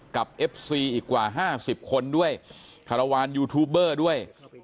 เอฟซีอีกกว่า๕๐คนด้วยคารวาลยูทูบเบอร์ด้วย